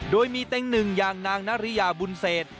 โดยมีเต็งหนึ่งอย่างนางนาริยาบุญเศษ